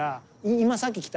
今さっき来た。